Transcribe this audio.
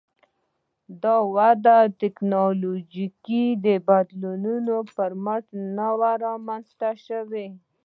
دا وده د ټکنالوژیکي بدلونونو پر مټ نه وه رامنځته شوې